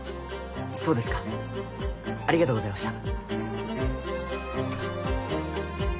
そうですかありがとうございました。